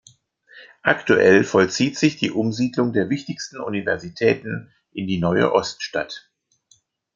Aktuell vollzieht sich die Umsiedlung der wichtigsten Universitäten in die neue Ost-Stadt.